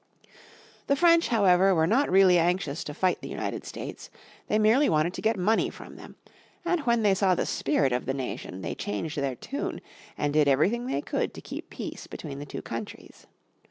The French, however, were not really anxious to fight the United States. They merely wanted to get money from them, and when they saw the spirit of the nation, they changed their tune and did everything they could to keep peace between the two countries.